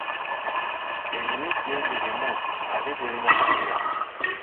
Eyina ejjembe limu, ate terina mukira.